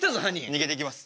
逃げていきます。